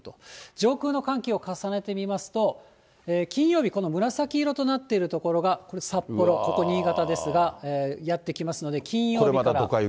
上空の寒気を重ねて見ますと、金曜日、この紫色となっている所が札幌、ここ、新潟ですが、やって来ますので、金曜日から。